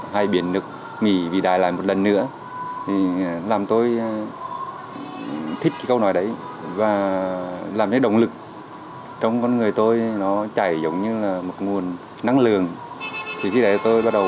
hai biển nước này là một bức chân dung của hai nhà lãnh đạo nổi tiếng này